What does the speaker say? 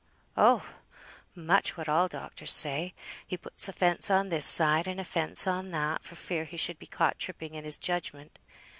"Oh! much what all doctors say: he puts a fence on this side, and a fence on that, for fear he should be caught tripping in his judgment.